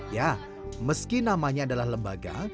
ya meski namanya adalah lembaga